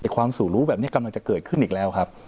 ความสู่รู้แบบนี้กำลังจะเกิดขึ้นอีกแล้วครับ